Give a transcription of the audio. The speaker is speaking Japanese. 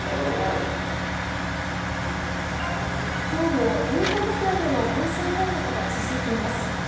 今日もエンタメ界での感染報告が続いています。